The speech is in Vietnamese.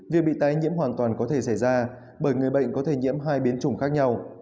việc bị tái nhiễm hoàn toàn có thể xảy ra bởi người bệnh có thể nhiễm hai biến chủng khác nhau